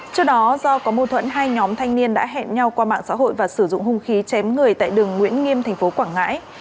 trước đó do có mâu thuẫn hai nhóm thanh niên đã hẹn nhau qua mạng xã hội và sử dụng hung khí chém người tại đường nguyễn nghiêm tp quảng ngãi